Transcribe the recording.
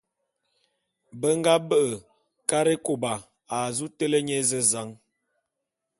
Be nga be'e Karekôba a zu télé nye ézezan.